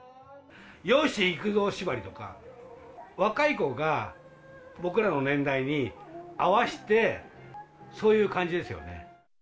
吉幾三縛りとか、若い子が、僕らの年代に合わせて、そういう感じですよね。